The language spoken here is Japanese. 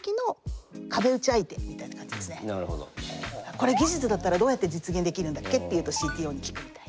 「これ技術だったらどうやって実現できるんだっけ？」っていうとＣＴＯに聞くみたいな。